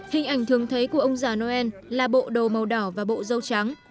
hình ảnh thường thấy của ông già noel là bộ đồ màu đỏ và bộ dâu trắng